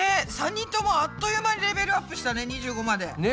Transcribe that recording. ３人ともあっという間にレベルアップしたね２５まで。ね。